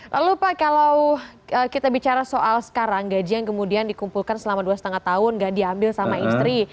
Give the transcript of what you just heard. lalu pak kalau kita bicara soal sekarang gaji yang kemudian dikumpulkan selama dua lima tahun gak diambil sama istri